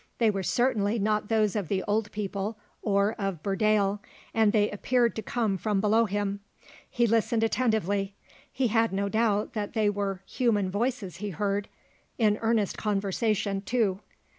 They were certainly not those of the old people or of Burdale, and they appeared to come from below him. He listened attentively. He had no doubt that they were human voices he heard; in earnest conversation, too.